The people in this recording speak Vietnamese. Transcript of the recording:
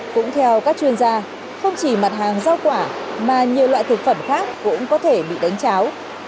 cũng theo các chuyên gia không chỉ mặt hàng rau quả mà nhiều loại thực phẩm khác cũng có thể bị đánh cháo